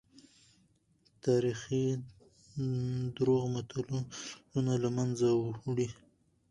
تاريخي دروغ ملتونه له منځه وړي.